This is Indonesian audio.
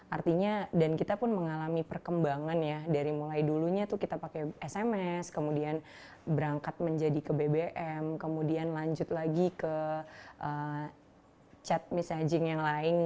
artinya dan kita pun mengalami perkembangan ya dari mulai dulunya tuh kita pakai sms kemudian berangkat menjadi ke bbm kemudian lanjut lagi ke chat messaging yang lain